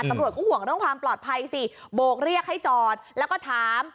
ตำรวจก็ห่วงเรื่องความปลอดภัยสิโบกเรียกให้จอดแล้วก็ถาม